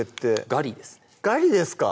ガリですか！